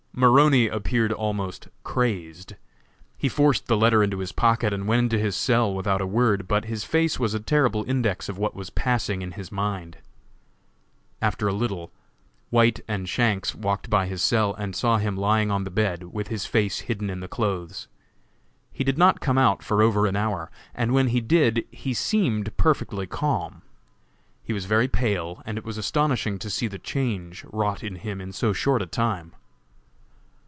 Maroney appeared almost crazed. He forced the letter into his pocket and went into his cell without a word; but his face was a terrible index of what was passing in his mind. After a little, White and Shanks walked by his cell and saw him lying on the bed, with his face hidden in the clothes. He did not come out for over an hour; but when he did, he seemed perfectly calm. He was very pale, and it was astonishing to see the change wrought in him in so short a time.